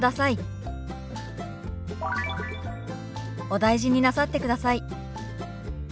「お大事になさってください」。